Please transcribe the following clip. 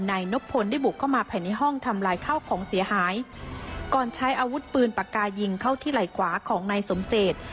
นายนบพลได้บุกเข้ามาภายในห้องทำลายข้าวของเสียหายก่อนใช้อาวุธปืนปากกายิงเข้าที่ไหล่ขวาของนายสมเศษ